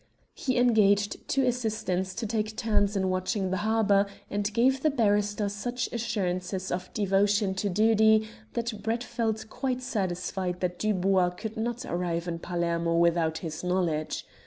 He engaged two assistants to take turns in watching the harbour, and gave the barrister such assurances of devotion to duty that Brett felt quite satisfied that Dubois could not arrive in Palermo without his knowledge.